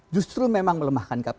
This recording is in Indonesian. justru memang melemahkan kpk